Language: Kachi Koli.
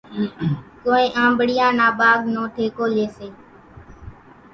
ڪونئين آنٻڙِيان نا ٻاگھ نو ٺيڪو ليئيَ سي۔